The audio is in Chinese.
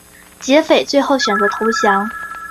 劫匪最后选择投降。